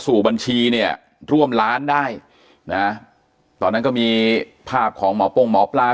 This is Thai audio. สู่บัญชีเนี่ยร่วมล้านได้นะตอนนั้นก็มีภาพของหมอป้งหมอปลา